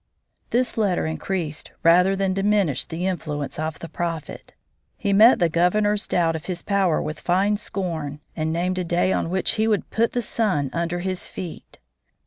This letter increased rather than diminished the influence of the Prophet. He met the Governor's doubt of his power with fine scorn and named a day on which he would "put the sun under his feet."